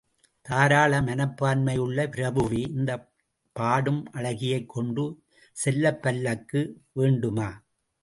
தாராள மனப்பான்மையுள்ள பிரபுவே, இந்தப் பாடும் அழகியைக் கொண்டு செல்லப் பல்லக்கு வேண்டுமா?